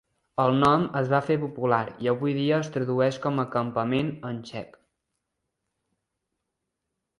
El nom es va fer popular i avui dia es tradueix com a "campament" en txec.